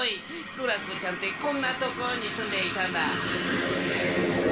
クラコちゃんってこんなところにすんでいたんだ。